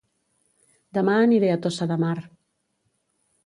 Dema aniré a Tossa de Mar